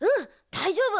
だいじょうぶ！